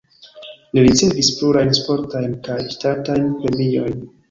Li ricevis plurajn sportajn kaj ŝtatajn premiojn.